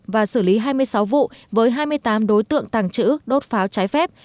và xử lý hai mươi sáu vụ với hai mươi tám đối tượng tàng trữ đốt pháo trái phép